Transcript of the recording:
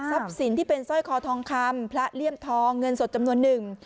สินที่เป็นสร้อยคอทองคำพระเลี่ยมทองเงินสดจำนวนหนึ่ง